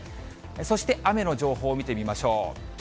そして雨の情報を見てみましょう。